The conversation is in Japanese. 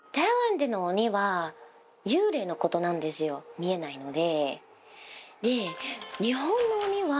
見えないので。